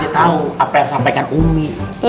masih tau apa yang sampaikan umi